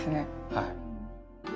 はい。